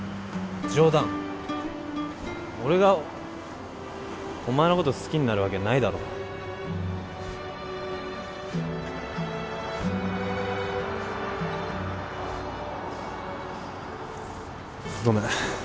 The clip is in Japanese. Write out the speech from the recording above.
冗談俺がお前のこと好きになるわけないだろごめん